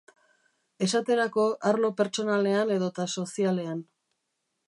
Esaterako, arlo pertsonalean edota sozialean.